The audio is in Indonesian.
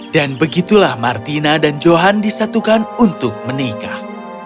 dan begitulah martina dan johan disatukan untuk menikah